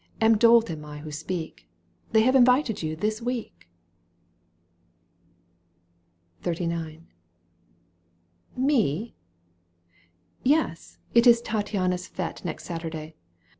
A dolt am I who speak ! They have invited you this week." XXXIX. '.« Me ?"—" Yes ! It is Tattiana's fete Next Saturday.